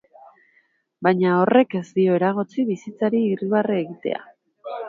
Baina horrek ez dio eragotzi bizitzari irribarre egitea.